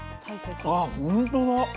あっほんとだ。